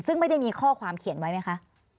ซึ่งไม่ได้มีข้อความเขียนไว้ไหมคะ